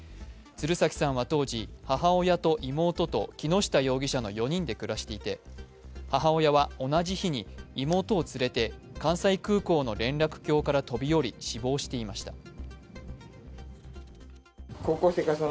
鶴崎さんは当時、母親と妹と木下容疑者の４人で暮らしていて、母親は同じ日に妹を連れて、関西空港の連絡橋から飛び降り、死亡していました。